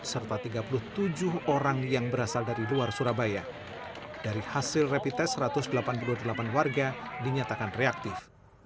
serta tiga puluh tujuh orang yang berasal dari luar surabaya dari hasil rapid test satu ratus delapan puluh delapan warga dinyatakan reaktif